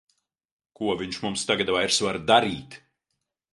Ko viņš mums tagad vairs var darīt!